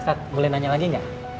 ustaz boleh nanya lagi enggak